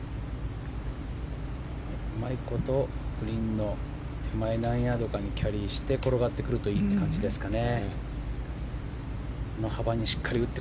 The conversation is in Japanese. うまいことグリーンの手前、何ヤードくらいの距離にキャリーして転がってくるといいって感じですかね。